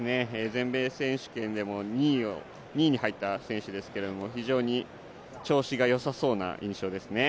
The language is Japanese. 全米選手権でも２位に入った選手ですけれども、非常に調子がよさそうな印象ですね。